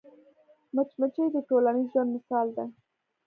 مچمچۍ د ټولنیز ژوند مثال ده